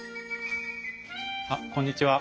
あっこんにちは。